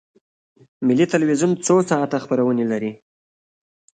ملي تلویزیون څو ساعته خپرونې لري؟